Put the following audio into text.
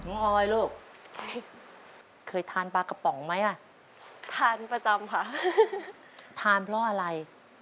ออยลูกเคยทานปลากระป๋องไหมอ่ะทานประจำค่ะทานเพราะอะไร